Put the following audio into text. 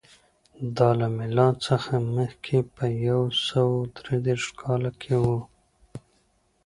دا له میلاد څخه مخکې په یو سوه درې دېرش کال کې و